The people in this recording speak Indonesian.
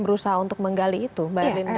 berusaha untuk menggali itu mbak denda